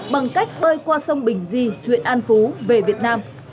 bằng cách bơi qua sông bình di huyện an phú về việt nam